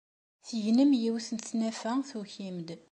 Tegnem yiwet n tnafa tukim-d.